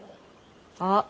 あっ。